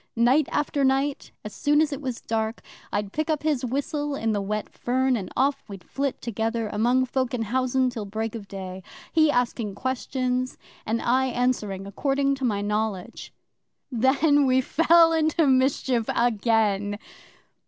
Night after night, as soon as it was dark, I'd pick up his whistle in the wet fern, and off we'd flit together among folk in housen till break of day he asking questions, and I answering according to my knowledge. Then we fell into mischief again!